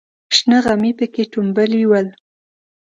شنه غمي پکې ټومبلې ول.